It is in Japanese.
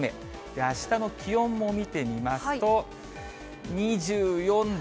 あしたの気温も見てみますと、２４度。